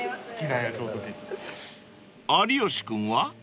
［有吉君は？］